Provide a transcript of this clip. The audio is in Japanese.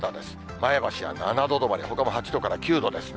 前橋は７度止まり、ほかも８度から９度ですね。